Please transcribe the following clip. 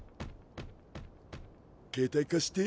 携帯貸して。